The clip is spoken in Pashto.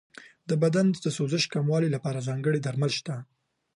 د بدن د سوزش کمولو لپاره ځانګړي درمل شته.